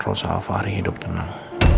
rosa alva hari hidup tenang